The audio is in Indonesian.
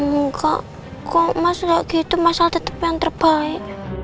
enggak kok mas lagi itu mas al tetep yang terbaik